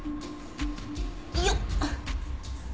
よっ。